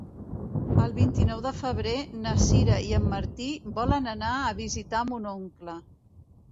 El vint-i-nou de febrer na Sira i en Martí volen anar a visitar mon oncle.